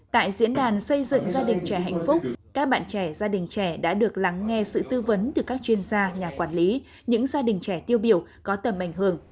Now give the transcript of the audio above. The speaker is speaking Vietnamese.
tại diễn đàn xây dựng gia đình trẻ hạnh phúc các bạn trẻ gia đình trẻ đã được lắng nghe sự tư vấn từ các chuyên gia nhà quản lý những gia đình trẻ tiêu biểu có tầm ảnh hưởng